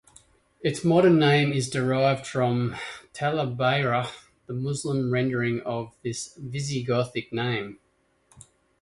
Its modern name is derived from "Talabayra", the Muslim rendering of this Visigothic name.